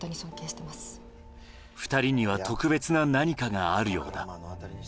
２人には特別な何かがあるようだ。